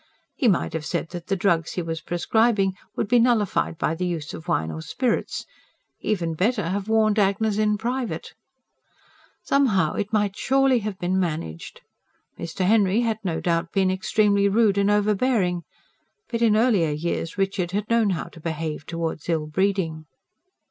He might have said that the drugs he was prescribing would be nullified by the use of wine or spirits; even better, have warned Agnes in private. Somehow, it might surely have been managed. Mr. Henry had no doubt been extremely rude and overbearing; but in earlier years Richard had known how to behave towards ill breeding.